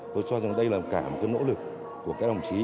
tôi cho rằng đây là cả một cái nỗ lực của các đồng chí